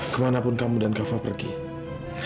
kau akan pulang ke rumah itu